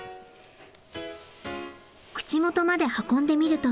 口元まで運んでみると。